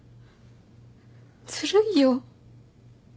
ずるいよ。